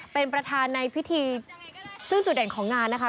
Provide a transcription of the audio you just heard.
เป็นประธานในพิธีซึ่งจุดเด่นของงานนะคะ